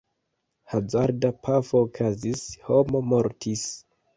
Hazarda pafo okazis, homo mortis.